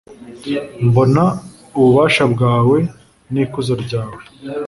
mbona ububasha bwawe n’ikuzo ryawe